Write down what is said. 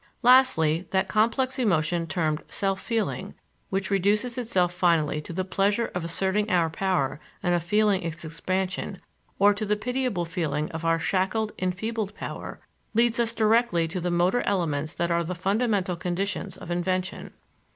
Lastly, that complex emotion termed "self feeling," which reduces itself finally to the pleasure of asserting our power and of feeling its expansion, or to the pitiable feeling of our shackled, enfeebled power, leads us directly to the motor elements that are the fundamental conditions of invention.